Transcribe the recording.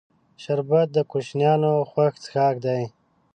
شربت د کوشنیانو خوښ څښاک دی